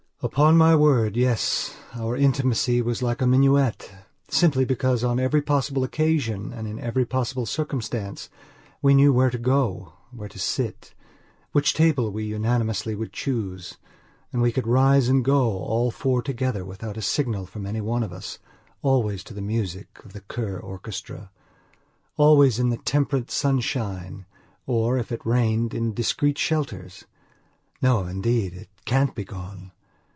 Upon my word, yes, our intimacy was like a minuet, simply because on every possible occasion and in every possible circumstance we knew where to go, where to sit, which table we unanimously should choose; and we could rise and go, all four together, without a signal from any one of us, always to the music of the Kur orchestra, always in the temperate sunshine, or, if it rained, in discreet shelters. No, indeed, it can't be gone.